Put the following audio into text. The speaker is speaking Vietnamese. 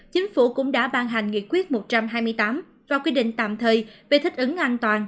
chính phủ cũng đã ban hành nghị quyết một trăm hai mươi tám và quy định tạm thời về thích ứng an toàn